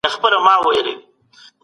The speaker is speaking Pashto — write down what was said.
هغه خلګ چې واک لري په ټولنه اغېز کوي.